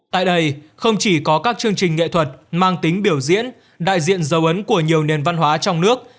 tại đây không chỉ có các chương trình nghệ thuật mang tính biểu diễn đại diện dấu ấn của nhiều nền văn hóa trong nước